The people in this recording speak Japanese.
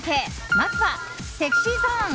まずは、ＳｅｘｙＺｏｎｅ。